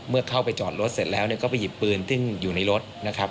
เมื่อเข้าไปจอดรถเสร็จแล้วเนี่ยก็ไปหยิบปืนที่อยู่ในรถนะครับ